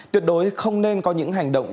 tuyệt đối không nên có những hành động